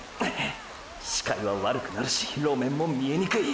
視界は悪くなるし路面も見えにくい！！